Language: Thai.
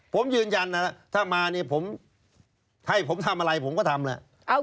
ผมยืนยันนะถ้ามาเนี่ยผมให้ผมทำอะไรผมก็ทำแล้ว